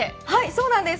そうなんです。